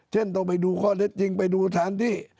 ต้องไปดูข้อเท็จจริงไปดูสถานที่